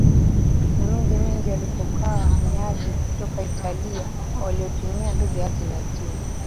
na miji mingi walipokaa wahamiaji kutoka Italia waliotumia lugha ya Kilatini